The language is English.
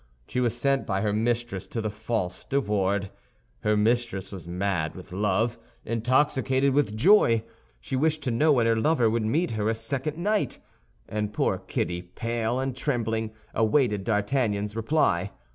She was sent by her mistress to the false De Wardes. Her mistress was mad with love, intoxicated with joy. She wished to know when her lover would meet her a second night; and poor Kitty, pale and trembling, awaited D'Artagnan's reply.